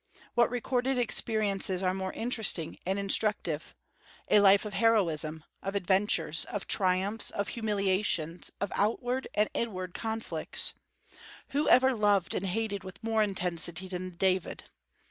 What recorded experiences are more interesting and instructive? a life of heroism, of adventures, of triumphs, of humiliations, of outward and inward conflicts. Who ever loved and hated with more intensity than David?